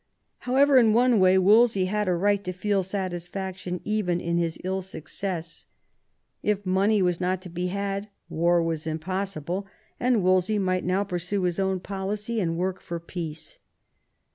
However, in one way Wolsey had a right to feel satisfaction even in his ill success. If money was not to be had, war was impossible, and Wolsey might now pursue his own policy and work for peace.